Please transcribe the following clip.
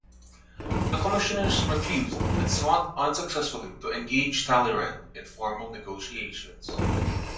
The commissioners refused, and sought unsuccessfully to engage Talleyrand in formal negotiations.